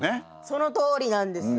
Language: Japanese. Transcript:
そのとおりなんです。